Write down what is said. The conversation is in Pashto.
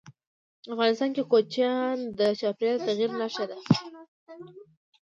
افغانستان کې کوچیان د چاپېریال د تغیر نښه ده.